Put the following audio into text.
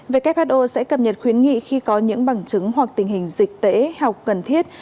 who sẽ cập nhật khuyến nghị khi có những bằng chứng hoặc tình hình dịch tễ học cần thiết